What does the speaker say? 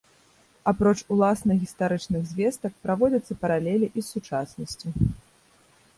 Апроч уласна гістарычных звестак, праводзяцца паралелі і з сучаснасцю.